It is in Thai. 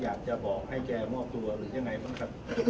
อยากจะบอกให้แกมอบตัวหรือยังไงบ้างครับ